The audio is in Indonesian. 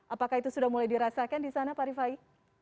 apakah itu sudah mulai dirasakan di sana pak rifai